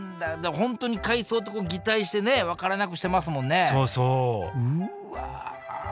本当に海藻と擬態して分からなくしてますもんねそうそううわ。